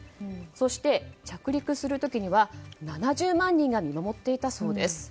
そして、着陸する時には７０万人が見守っていたそうです。